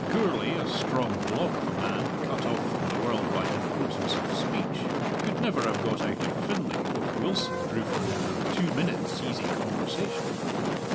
Gourlay, a strong block of a man cut off from the world by impotence of speech, could never have got out of Finlay what Wilson drew from him in two minutes' easy conversation.